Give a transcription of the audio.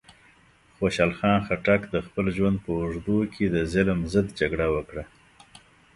خوشحال خان خټک د خپل ژوند په اوږدو کې د ظلم ضد جګړه وکړه.